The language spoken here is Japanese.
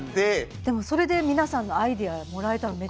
でもそれで皆さんのアイデアもらえたらめっちゃいいですよね。